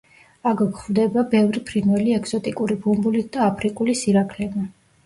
აქ გვხვდება ბევრი ფრინველი ეგზოტიკური ბუმბულით და აფრიკული სირაქლემა.